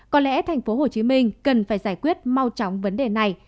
có lẽ tp hcm cần phải giải quyết mau chóng vấn đề này